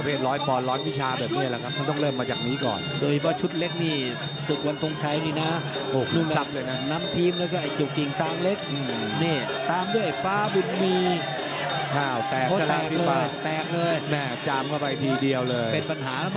เพชร๔๐ก็มีวิทยาเพชร๔๐นะครับ